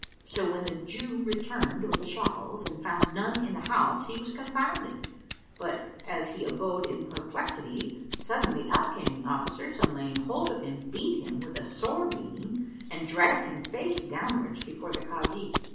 So, when the Jew returned with the shackles and found none in the house, he was confounded; but, as he abode in perplexity, suddenly up came the officers and laying hold of him beat him with a sore beating and dragged him face downwards before the Kazi.